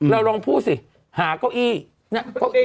เราลองพูดสิหาเก้าอี้